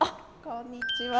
こんにちは。